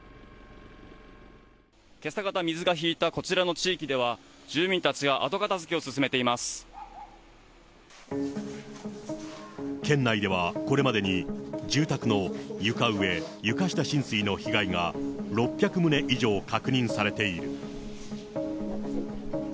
けさ方、水が引いたこちらの地域では、住民たちがあと片づけを進めていま県内では、これまでに住宅の床上・床下浸水の被害が６００棟以上確認されている。